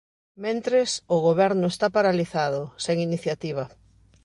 Mentres, o Goberno está paralizado, sen iniciativa.